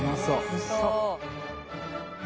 おいしそう。